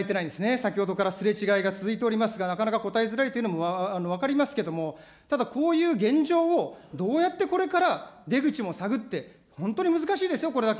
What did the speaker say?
先ほどからすれ違いが続いておりますが、なかなか答えづらいというのも分かりますけれども、ただ、こういう現状をどうやってこれから出口も探って、本当に難しいですよ、これだけ。